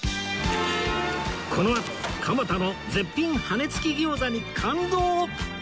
このあと蒲田の絶品羽根付き餃子に感動！